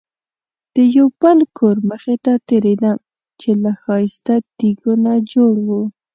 د یو بل کور مخې ته تېرېدم چې له ښایسته تیږو نه جوړ و.